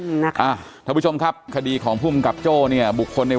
อืมนะคะอ่าท่านผู้ชมครับคดีของภูมิกับโจ้เนี่ยบุคคลใน